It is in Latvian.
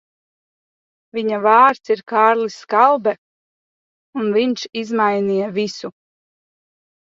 Viņa vārds ir Kārlis Skalbe, un viņš izmainīja visu.